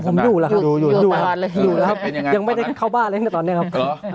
ผมอยู่แล้วครับอยู่แล้วครับยังไม่ได้เข้าบ้านเลยนะตอนนี้ครับ